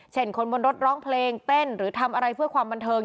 คนบนรถร้องเพลงเต้นหรือทำอะไรเพื่อความบันเทิง